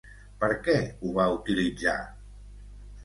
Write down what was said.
Per què ho va utilitzar?